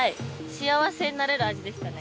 幸せになれる味でしたね。